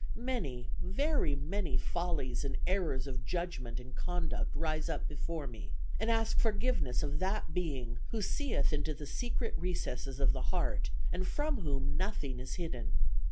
Many, very many follies and errors of judgment and conduct rise up before me, and ask forgiveness of that Being, who seeth into the secret recesses of the heart, and from whom nothing is hidden.